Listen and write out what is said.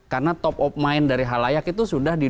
karena top of mind dari halayak itu sudah di dua ribu empat belas